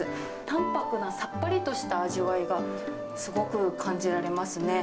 たんぱくなさっぱりとした味わいがすごく感じられますね。